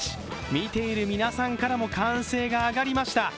見ている皆さんからも歓声が上がりました。